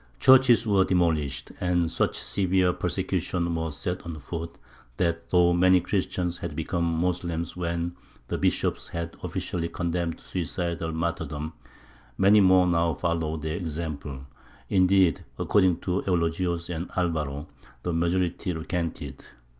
Churches were demolished, and such severe persecutions were set on foot, that though many Christians had become Moslems when the bishops had officially condemned suicidal martyrdom, many more now followed their example; indeed, according to Eulogius and Alvaro, the majority recanted.